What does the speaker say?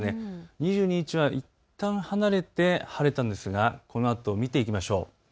２２日はいったん離れて晴れたんですがこのあと見ていきましょう。